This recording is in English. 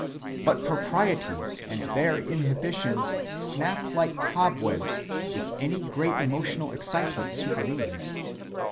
But proprieties and their inhibitions snap like cobwebs if any great emotional excitement supervenes.